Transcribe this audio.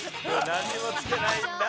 何もつけないんだ。